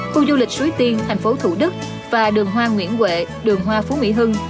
khu du lịch suối tiên thành phố thủ đức và đường hoa nguyễn huệ đường hoa phú mỹ hưng